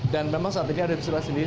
dan memang saat ini ada peserta sendiri